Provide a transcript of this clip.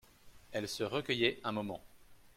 Elle se recueillait un moment.